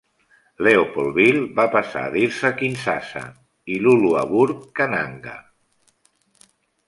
Leopoldville va passar a dir-se Kinshasa i Luluabourg, Kananga.